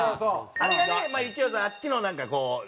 あれがねまあ一応あっちのなんかこう。